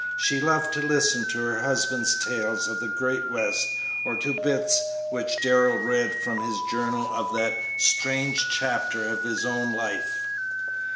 She loved to listen to her husband's tales of the great West or to bits which Darrell read from his journal of that strange chapter of his own life.